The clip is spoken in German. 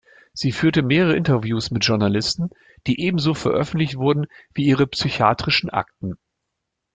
Sie führte mehrere Interviews mit Journalisten, die ebenso veröffentlicht wurden wie ihre psychiatrischen Akten.